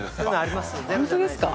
本当ですか？